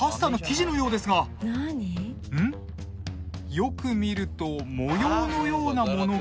よく見ると模様のようなものが。